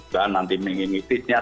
dan nanti mengimitisnya